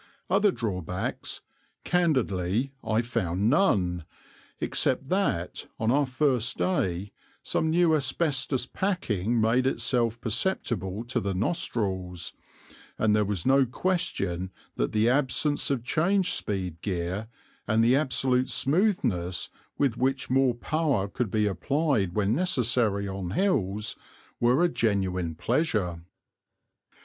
Other drawbacks, candidly, I found none, except that, on our first day, some new asbestos packing made itself perceptible to the nostrils; and there was no question that the absence of change speed gear, and the absolute smoothness with which more power could be applied when necessary on hills, were a genuine pleasure.